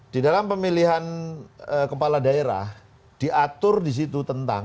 di dalam pemilihan kepala daerah diatur disitu tentang